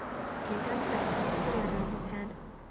He came down to breakfast with the letter in his hand.